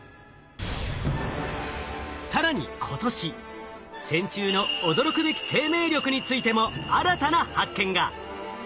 更に今年線虫の驚くべき生命力についても新たな発見が。